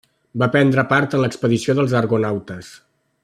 Va prendre part en l'expedició dels argonautes.